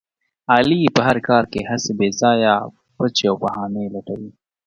علي په هر کار کې هسې بې ځایه پچې او بهانې لټوي.